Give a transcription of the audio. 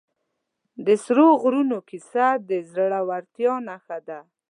د سرو غرونو کیسه د زړه ورتیا نښه ده.